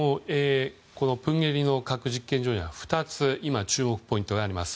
プンゲリの核実験場には２つ注目ポイントがあります。